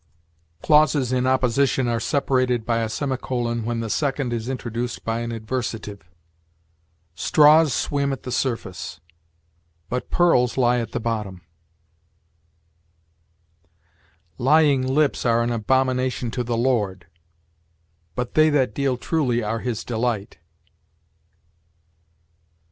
Clauses in opposition are separated by a semicolon when the second is introduced by an adversative: "Straws swim at the surface; but pearls lie at the bottom"; "Lying lips are an abomination to the Lord; but they that deal truly are his delight."